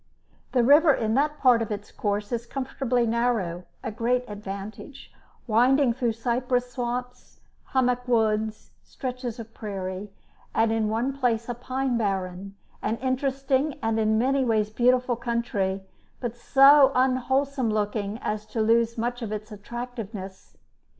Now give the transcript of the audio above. The river in that part of its course is comfortably narrow, a great advantage, winding through cypress swamps, hammock woods, stretches of prairie, and in one place a pine barren; an interesting and in many ways beautiful country, but so unwholesome looking as to lose much of its attractiveness.